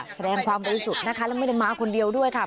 แสดงความบริสุทธิ์นะคะแล้วไม่ได้มาคนเดียวด้วยค่ะ